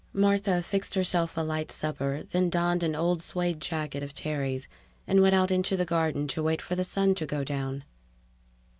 Martha fixed herself a light supper, then donned an old suede jacket of Terry's and went out into the garden to wait for the sun to go down.